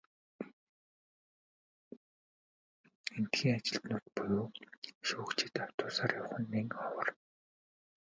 Эндэхийн ажилтнууд буюу шүүгчид автобусаар явах нь нэн ховор.